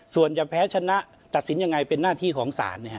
ส่วนจะแพ้ชนะตัดสินยังไงเป็นหน้าที่ของศาล